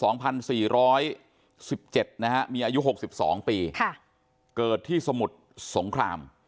๒๔๑๗ฯนะฮะมีอายุ๖๒ปีค่ะเกิดที่สมุดสงคราม